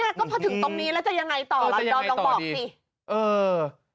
ก็พอถึงตรงนี้แล้วจะยังไงต่อล่ะดอมลองบอกสิเออ